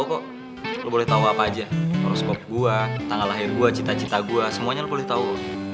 kok lo boleh tau apa aja horoskop gue tanggal lahir gue cita cita gue semuanya lo boleh tau